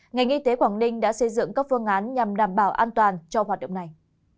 ngành y tế quảng ninh đã xây dựng các phương án nhằm đảm bảo an toàn cho hoạt động này